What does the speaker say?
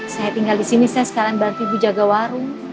saya tinggal disini saya sekalian berarti bu jaga warung